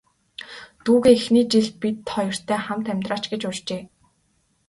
Дүүгээ эхний жил бид хоёртой хамт амьдраач гэж урьжээ.